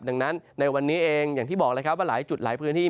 ดังนั้นในวันนี้เองอย่างที่บอกเลยครับว่าหลายจุดหลายพื้นที่